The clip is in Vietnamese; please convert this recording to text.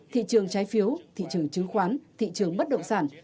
thị trường trái phiếu thị trường chứng khoán thị trường bất động sản